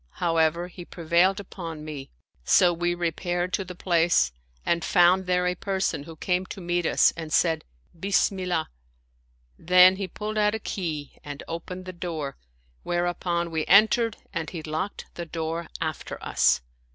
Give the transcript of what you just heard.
However, he prevailed upon me ; so we repaired to the place and found there a person, who came to meet us and said, " Bismillah !" Then he pulled out a key and opened the door, whereupon we entered and he locked the door after us.